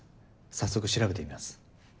早速調べてみます。